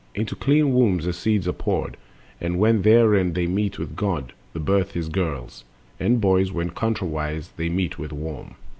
Into clean wombs the seeds are poured, and when Therein they meet with Cold, the birth is girls; And boys, when contrariwise they meet with Warm.